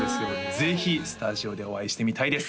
ぜひスタジオでお会いしてみたいです